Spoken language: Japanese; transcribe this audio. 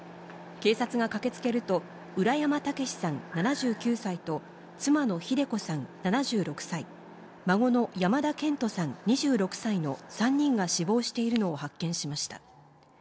警察が駆けつけると、浦山毅さん７９歳と妻の秀子さん７６歳、孫の山田健人さん、２６歳の３人が死亡しているのを発見しました。